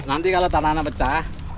nanti kalau tanahnya pecah